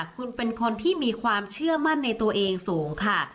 คุณเป็นคนที่มีความเชื่อมั่นในตัวเองสูงค่ะ